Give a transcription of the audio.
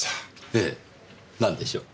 ええなんでしょう？